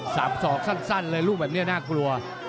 สาบศอกสั้นเลยลูกแบบนี้น่ากลัว